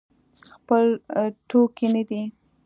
خپل ټوکي نه دی.